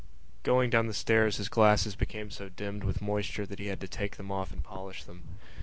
_ Going down the stairs his glasses became so dimmed with moisture that he had to take them off and polish them.